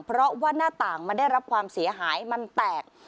เพราะว่าหน้าต่างมันได้รับความเสียหายมันแตก